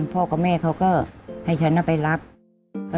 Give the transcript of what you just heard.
พ่อกับแม่เขาก็ให้ฉันเอาไปรัก